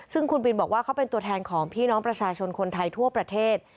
ซึ่งคุณบินบอกว่าเขาเป็นตัวแทนของพี่น้องประชาชนคนไทยทั่วประเทศ